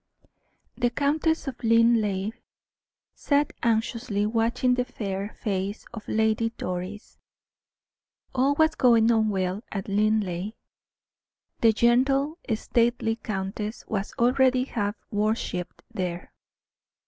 The Countess of Linleigh sat anxiously watching the fair face of Lady Doris. All was going on well at Linleigh. The gentle, stately countess was already half worshiped there.